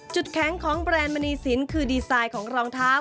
แข็งของแบรนด์มณีสินคือดีไซน์ของรองเท้า